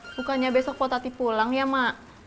bukannya besok po tati pulang ya ma